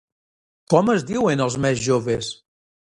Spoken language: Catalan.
Com es diuen els més joves?